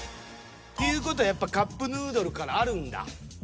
ていう事はやっぱりカップヌードルからあるんだ。